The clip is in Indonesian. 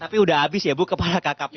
tapi sudah habis ya bu kepala kakap ini